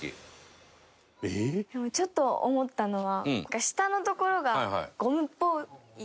でもちょっと思ったのは。